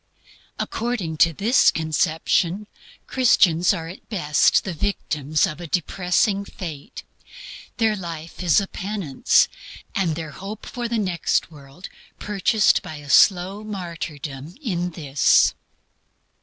According to this conception, Christians are at best the victims of a depressing fate; their life is a penance; and their hope for the next world purchased by a slow martyrdom in this.